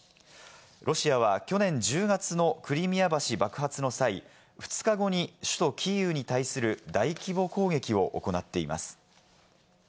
ロシアは去年１０月のクリミア橋爆発の際、２日後に首都キーウに対する大規模攻撃を行っています。